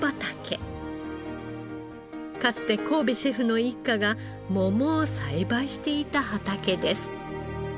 かつて神戸シェフの一家が桃を栽培していた畑です。